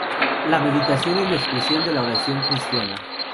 La meditación es una expresión de la oración cristiana.